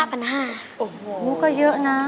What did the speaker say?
อเรนนี่มันก็เยอะน่ะ